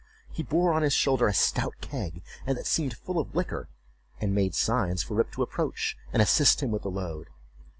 He bore on his shoulder a stout keg, that seemed full of liquor, and made signs for Rip to approach and assist him with the load.